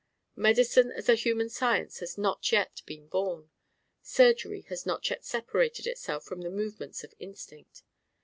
Medicine as a human science has not yet been born; surgery has not yet separated itself from the movements of instinct.